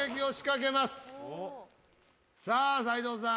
さあ斎藤さん